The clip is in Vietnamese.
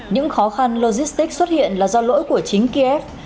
những khó khăn logistics xuất hiện là do lỗi của chính kiev